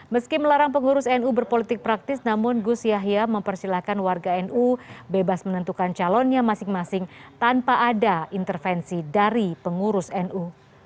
meski melarang pengurus nu berpolitik praktis namun gus yahya mempersilahkan warga nu bebas menentukan calonnya masing masing tanpa ada intervensi dari pengurus nu